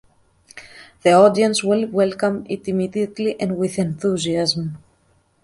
The audience will welcome it immediately and with enthusiasm.